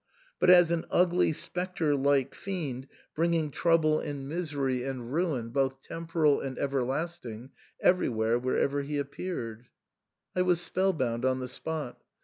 but as an ugly spectre like fiend bringing trouble and misery THE SAND'MAN. 175 and ruin, both temporal and everlasting, everywhere wherever he appeared. I was spell bound on the spot.